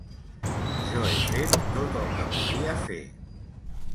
Jo he fet tot el que podia fer.